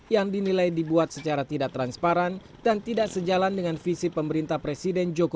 yang dinilai dibuat secara tidak transparan dan tidak sejalan dengan visi pemerintah presiden jokowi